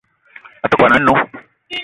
A te kwuan a-nnó